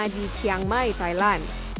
di chiang mai thailand